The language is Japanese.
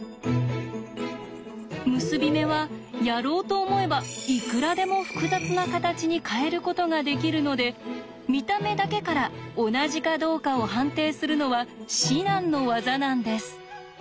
結び目はやろうと思えばいくらでも複雑な形に変えることができるので見た目だけから同じかどうかを判定するのは至難の業なんです。